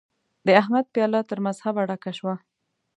د احمد پياله تر مذهبه ډکه شوه.